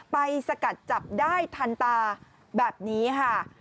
สกัดจับได้ทันตาแบบนี้ค่ะ